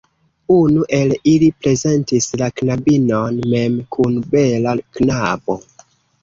Unu el ili prezentis la knabinon mem kun bela knabo.